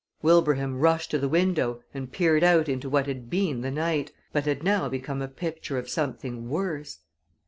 Wilbraham rushed to the window and peered out into what had been the night, but had now become a picture of something worse.